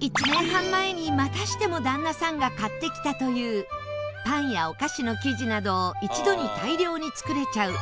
１年半前にまたしても旦那さんが買ってきたというパンやお菓子の生地などを一度に大量に作れちゃう。